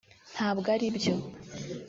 ntabwo aribyo